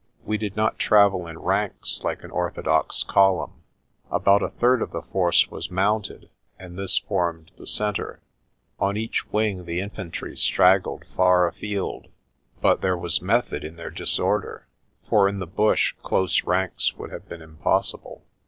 We did not travel in ranks like an orthodox column. About a third of the force was mounted, and this formed the centre. On each wing the infantry straggled far afield, but there was method in their disorder, for in the bush close ranks would have been impossible.